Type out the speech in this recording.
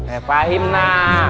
eh fahim nah